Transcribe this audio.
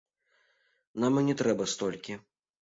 Нам і не трэба столькі.